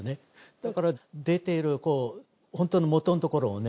だから出ているホントのもとのところをね